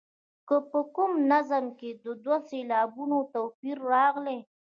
که په کوم نظم کې د دوو سېلابونو توپیر راغلی.